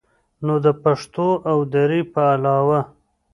نو د پښتو او دري په علاوه